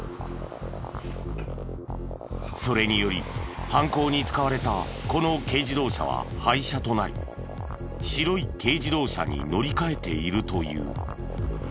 それにより犯行に使われたこの軽自動車は廃車となり白い軽自動車に乗り換えているという。